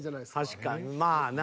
確かにまあな。